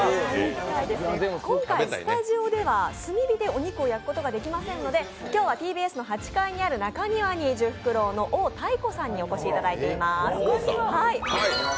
今回、スタジオでは炭火でお肉を焼くことができませんので今日はＴＢＳの８階にある中庭に聚福楼の王大国さんにお越しいただいています